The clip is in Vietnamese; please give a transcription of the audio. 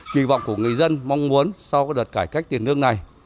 kỳ vọng của người dân mong muốn sau đợt cải cách tiền lương này